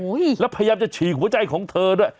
แล้วพยายามจะฉีกหัวใจของเธอด้วย